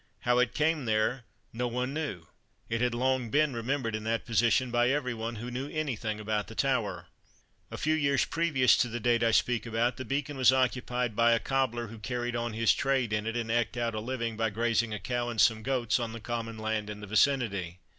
How it came there no one knew it had long been remembered in that position by every one who knew anything about the Tower. A few years previous to the date I speak about, the Beacon was occupied by a cobbler who carried on his trade in it, and eked out a living by grazing a cow and some goats on the common land in the vicinity.